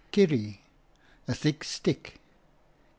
Kierie, a thick stick.